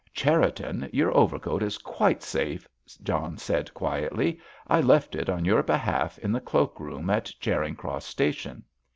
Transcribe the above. "Cherriton, your overcoat is quite safe," John said quietly. "I left it on your behalf in the cloak room at Charing Cross Station."